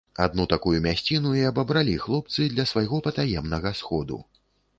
Адну такую мясціну і абабралі хлопцы для свайго патаемнага сходу.